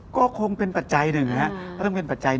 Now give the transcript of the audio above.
ก็คงเป็นปัจจัยหนึ่งครับ